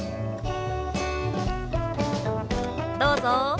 どうぞ。